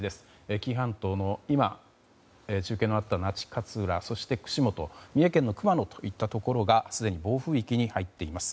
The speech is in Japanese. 紀伊半島の今中継のあった那智勝浦そして串本、三重県の熊野といったところがすでに暴風域に入っています。